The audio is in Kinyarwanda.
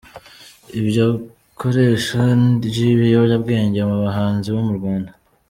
Iby’ikoresha ry’ibiyobyabwenge mu bahanzi bo mu Rwanda